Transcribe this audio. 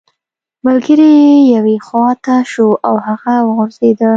ملګری یې یوې خوا ته شو او هغه وغورځیده